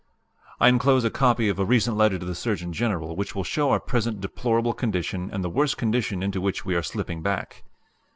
"I enclose a copy of a recent letter to the Surgeon General which will show our present deplorable condition and the worse condition into which we are slipping back.